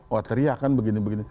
wah teriak kan begini begini